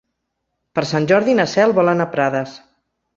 Per Sant Jordi na Cel vol anar a Prades.